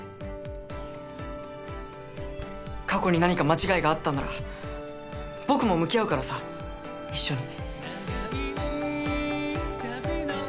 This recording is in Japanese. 過去に何か間違いがあったなら僕も向き合うからさ一緒に。